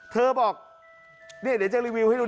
เธอบอกเดี๋ยวจะรีวิวให้ดู